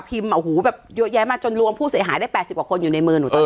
หูแบบเยอะแยะมาจนรวมผู้เสียหายได้๘๐กว่าคนอยู่ในมือหนูตอนนี้